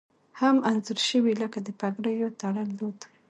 هم انځور شوي لکه د پګړیو تړل دود